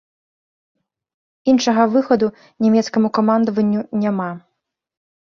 Іншага выхаду нямецкаму камандаванню няма.